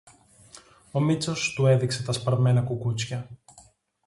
Ο Μήτσος τού έδειξε τα σπαρμένα κουκούτσια.